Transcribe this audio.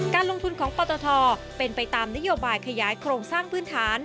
การลงทุนของปตทเป็นไปตามนโยบายขยายโครงสร้างพื้นฐาน